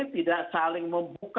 tidak saling membuka